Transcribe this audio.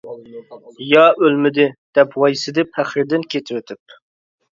يا ئۆلمىدى، -دەپ ۋايسىدى پەخرىدىن كېتىۋېتىپ.